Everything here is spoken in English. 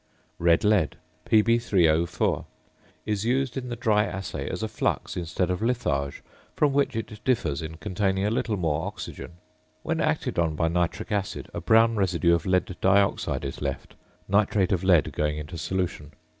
"~Red Lead~" (Pb_O_) is used in the dry assay as a flux instead of litharge, from which it differs in containing a little more oxygen. When acted on by nitric acid a brown residue of lead dioxide is left, nitrate of lead going into solution.